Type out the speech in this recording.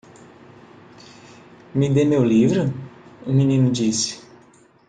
"Me dê meu livro?" o menino disse.